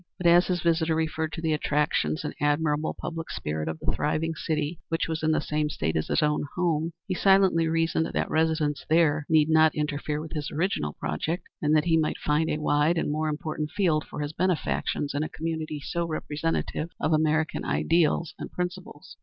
But, as his visitor referred to the attractions and admirable public spirit of the thriving city, which was in the same State as his own home, he silently reasoned that residence there need not interfere with his original project, and that he might find a wide and more important field for his benefactions in a community so representative of American ideas and principles.